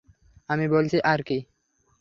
আমি বলছি আর কি।